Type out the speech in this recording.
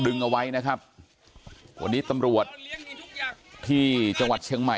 แค้นเหล็กเอาไว้บอกว่ากะจะฟาดลูกชายให้ตายเลยนะ